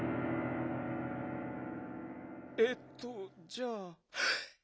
えっとじゃあこれ。